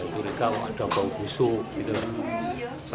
curiga kalau ada bau busuk